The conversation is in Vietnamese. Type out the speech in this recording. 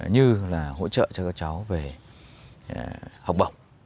như là hỗ trợ cho các cháu về học bổng